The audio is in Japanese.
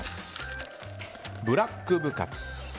ブラック部活。